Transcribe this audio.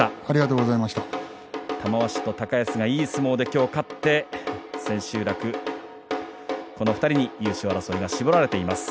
玉鷲と高安がいい相撲で今日勝って千秋楽、この２人に優勝争いが絞られています。